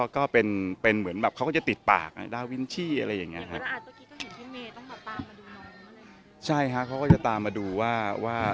คือเมย์เขาต้องตามมาด้วย